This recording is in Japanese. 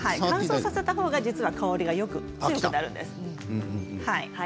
乾燥させたほうが香りが強くなるんです。